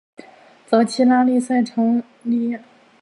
早期拉力赛常穿越阿尔及利亚。